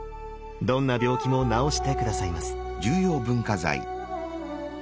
どんな病気も治して下さいます。